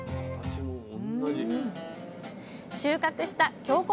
収穫した京こ